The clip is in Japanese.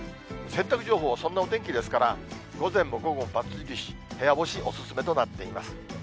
洗濯情報、そんなお天気ですから、午前も午後も×印、部屋干しお勧めとなっています。